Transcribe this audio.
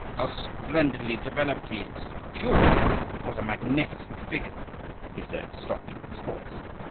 "How splendidly developed he is; phew, what a magnificent figure!" he said, stopping his horse.